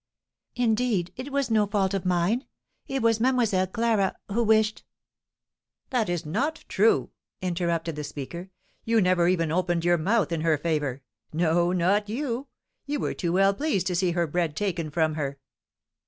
"Indeed, it was no fault of mine. It was Mlle. Clara, who wished " "That is not true!" interrupted the speaker. "You never even opened your mouth in her favour. No, not you? You were too well pleased to see her bread taken from her."